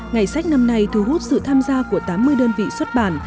ngày sách năm nay thu hút sự tham gia của tám mươi đơn vị xuất bản